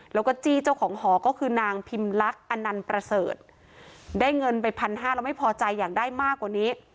แล้วก็จี้เจ้าของหอก็คือนางพิมลักษณ์อนันต์ประเสริฐได้เงินไปพันห้าแล้วไม่พอใจอยากได้มากกว่านี้